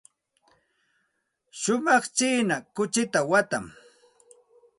Shumaq china kuchita watan.